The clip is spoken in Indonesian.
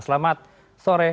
selamat sore ini